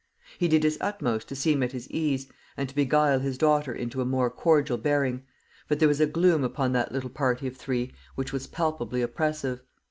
He did his utmost to seem at his ease, and to beguile his daughter into a more cordial bearing; but there was a gloom upon that little party of three which was palpably oppressive.